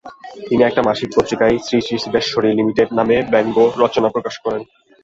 তিনি একটি মাসিক পত্রিকায় 'শ্রীশ্রীসিদ্ধেশ্বরী লিমিটেড' নামে ব্যঙ্গ রচনা প্রকাশ করেন।